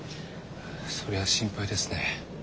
それは心配ですね。